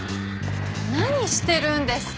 何してるんですか？